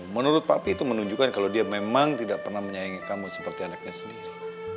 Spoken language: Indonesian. menurut pak pitu menunjukkan kalau dia memang tidak pernah menyayangi kamu seperti anaknya sendiri